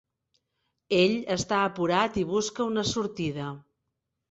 Ell està apurat i busca una sortida.